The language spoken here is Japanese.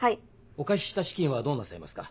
お貸しした資金はどうなさいますか。